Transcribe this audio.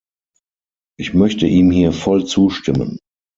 Ich möchte ihm hier voll zustimmen.